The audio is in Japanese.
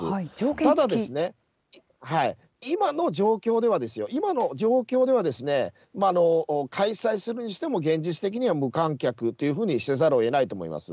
ただ、今の状況では、今の状況ではですね、開催するにしても現実的には無観客というふうにせざるをえないと思います。